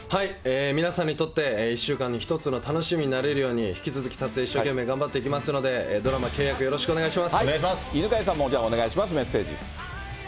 皆さんにとって、１週間の一つの楽しみになれるように、引き続き撮影、一生懸命頑張っていきますので、ドラマ、ケイ×ヤク、よろしくお犬飼さんもお願いします、メッセージ。